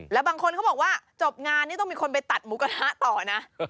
แล้วบางคนเขาบอกว่าจบงานนี่ต้องมีคนไปตัดหมูกระทะต่อนะ